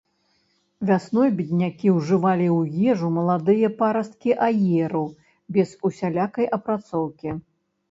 Вясной беднякі ўжывалі ў ежу маладыя парасткі аеру без усялякай апрацоўкі.